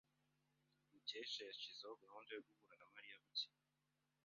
Mukesha yashyizeho gahunda yo guhura na Mariya bukeye.